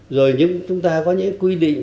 rồi chúng ta có những quy định